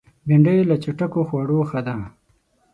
بېنډۍ له چټکو خوړو ښه ده